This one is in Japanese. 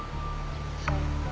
はい。